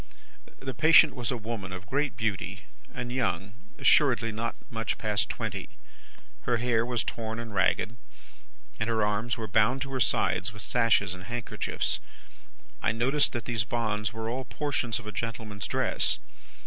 "The patient was a woman of great beauty, and young; assuredly not much past twenty. Her hair was torn and ragged, and her arms were bound to her sides with sashes and handkerchiefs. I noticed that these bonds were all portions of a gentleman's dress.